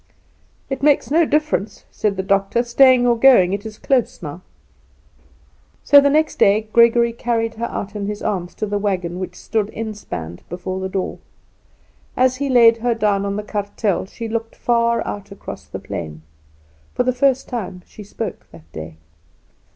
"It makes no difference," said the doctor; "staying or going; it is close now." So the next day Gregory carried her out in his arms to the wagon which stood inspanned before the door. As he laid her down on the kartel she looked far out across the plain. For the first time she spoke that day.